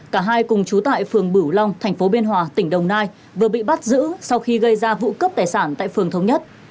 cả hai cùng trú tại phường bửu long thành phố biên hòa tỉnh đồng nai vừa bị bắt giữ sau khi gây ra vụ cướp tài sản tại phường thống nhất